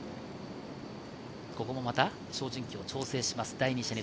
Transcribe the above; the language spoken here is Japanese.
ここもまた照準器を調整します。